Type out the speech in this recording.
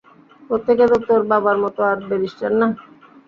প্রত্যেকে তো তোর বাবার মতো আর ব্যারিস্টার না।